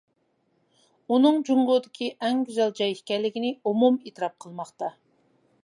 ئۇنىڭ جۇڭگودىكى ئەڭ گۈزەل جاي ئىكەنلىكىنى ئومۇم ئېتىراپ قىلماقتا.